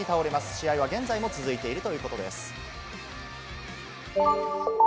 試合は現在も続いているということです。